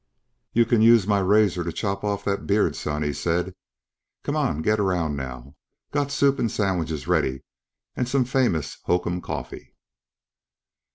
"Y'kin use my razor t'chop off that beard, son," he said. "C'mon, get around now. Got soup and sandwiches ready an' some famous Hocum coffee."